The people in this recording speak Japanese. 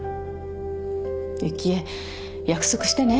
雪枝約束してね